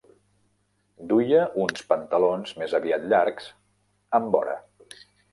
Duia uns pantalons més aviat llargs, amb vora.